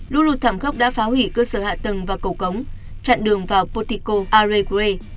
lũ lụt thảm khốc đã phá hủy cơ sở hạ tầng và cầu cống chặn đường vào portico alegre